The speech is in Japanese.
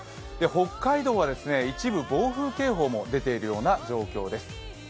北海道は一部、暴風警報も出ているような状況です。